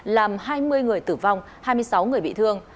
làm hai mươi người tử vong hai mươi sáu người bị thương